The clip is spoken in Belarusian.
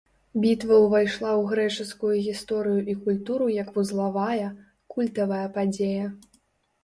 Бітва ўвайшла ў грэчаскую гісторыю і культуру як вузлавая, культавая падзея.